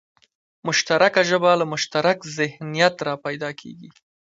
مشترکه ژبه له مشترک ذهنیت راپیدا کېږي